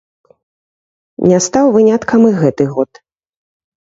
Не стаў выняткам і гэты год.